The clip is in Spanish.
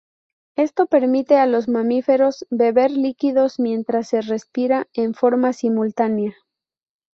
Esto permite a los mamíferos beber líquidos mientras se respira, en forma simultánea.